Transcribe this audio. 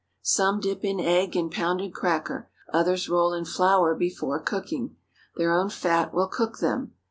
Some dip in egg and pounded cracker—others roll in flour before cooking. Their own fat will cook them.